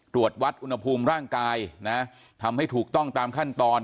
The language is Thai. ตรวจวัดอุณหภูมิร่างกายนะทำให้ถูกต้องตามขั้นตอน